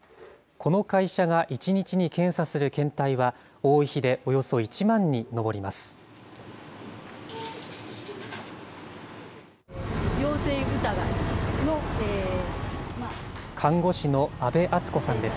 この会社が１日に検査する検体は、多い日でおよそ１万に上ります。